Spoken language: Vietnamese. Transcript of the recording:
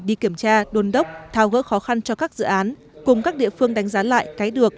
đi kiểm tra đôn đốc tháo gỡ khó khăn cho các dự án cùng các địa phương đánh giá lại cái được